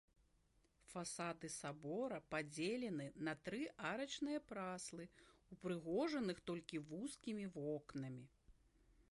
Фасады сабора падзелены на тры арачныя праслы, упрыгожаных толькі вузкімі вокнамі.